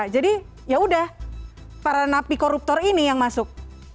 jadi ya udah para napi koruptor ini yang masuk